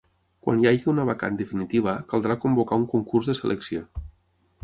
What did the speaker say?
Quan hi hagi una vacant definitiva, caldrà convocar un concurs de selecció.